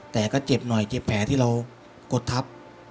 แต่ก็เจ็บหน่อยเจ็บแผลที่เรากดทับ